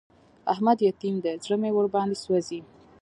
احمد يتيم دی؛ زړه مې ور باندې سوځي.